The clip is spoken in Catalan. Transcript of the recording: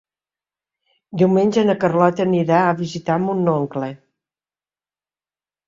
Diumenge na Carlota anirà a visitar mon oncle.